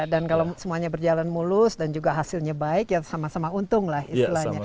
dan kalau semuanya berjalan mulus dan juga hasilnya baik ya sama sama untung lah istilahnya